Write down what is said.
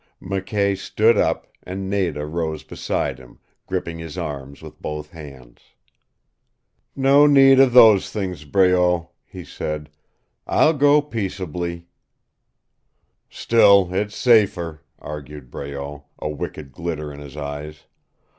McKay stood up, and Nada rose beside him, gripping his arms with both hands. "No need of those things, Breault," he said. "I'll go peaceably." "Still it's safer," argued Breault, a wicked glitter in his eyes.